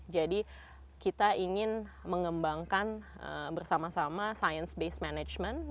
jadi kita ingin mengembangkan bersama sama science based management di situ